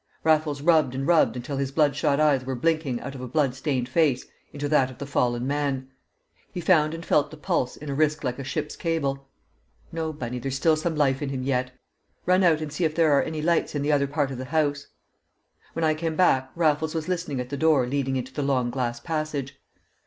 Raffles rubbed and rubbed until his bloodshot eyes were blinking out of a blood stained face into that of the fallen man. He found and felt the pulse in a wrist like a ship's cable. "No, Bunny, there's some life in him yet! Run out and see if there are any lights in the other part of the house." When I came back Raffles was listening at the door leading into the long glass passage.